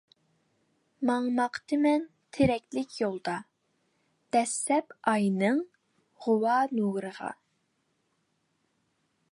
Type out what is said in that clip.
ماڭماقتىمەن تېرەكلىك يولدا، دەسسەپ ئاينىڭ غۇۋا نۇرىغا.